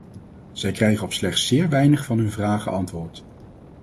Zij krijgen op slechts zeer weinig van hun vragen antwoord.